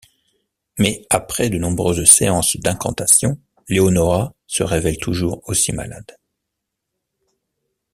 Mais après de nombreuses séances d’incantations, Leonora se révèle toujours aussi malade.